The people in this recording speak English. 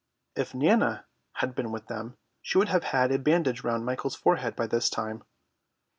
If Nana had been with them, she would have had a bandage round Michael's forehead by this time.